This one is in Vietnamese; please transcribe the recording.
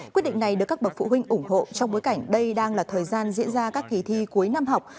quyết định này được các bậc phụ huynh ủng hộ trong bối cảnh đây đang là thời gian diễn ra các kỳ thi cuối năm học